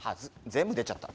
全部出ちゃった。